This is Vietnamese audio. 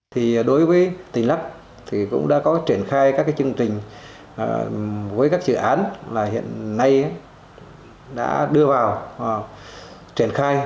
thì đối với tỉnh lắc thì cũng đã có triển khai các chương trình với các dự án là hiện nay đã đưa vào triển khai